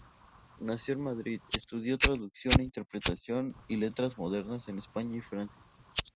Nacido en Madrid, estudió Traducción e Interpretación y Letras Modernas en España y Francia.